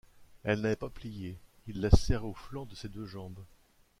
Elle n’avait pas plié, il la serrait aux flancs de ses deux jambes.